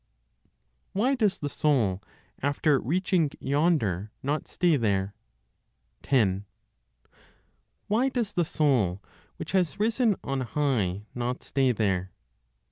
WHY DOES THE SOUL AFTER REACHING YONDER NOT STAY THERE? 10. Why does the soul which has risen on high not stay there?